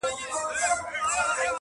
نوريې دلته روزي و ختمه سوې,